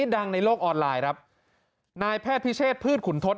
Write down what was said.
ที่ดังในโลกออนไลน์นายแพทย์พิเศษพืชขุนทศ